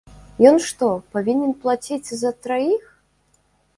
Ён што, павінен плаціць за траіх?